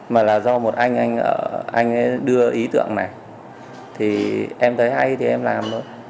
mà là do một anh anh đưa ý tượng này thì em thấy hay thì em làm thôi